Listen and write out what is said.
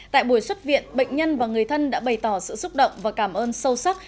tại buổi xuất viện bệnh nhân và người thân đã bày tỏ sự xúc động và cảm ơn sâu sắc